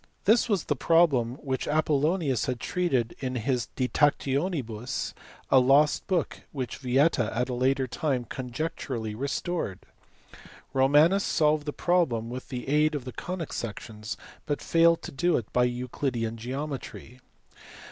This was the problem which Apollonius had treated in his De TactionibuSy a lost book which Vieta at a later time conjecturally restored. Romanus solved the problem with the aid of the conic sections, but failed to do it by Euclidean geometry.